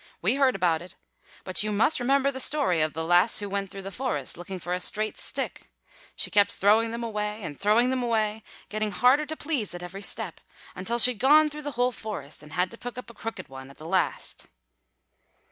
We heard about it. But you must remember the story of the lass who went through the forest looking for a straight stick. She kept throwing them away and throwing them away, getting harder to please at every step, until she'd gone through the whole forest, and had to pick up a crooked one at the last."